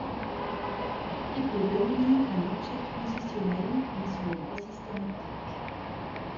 Il peut devenir un objet transitionnel mais ce n'est pas systématique.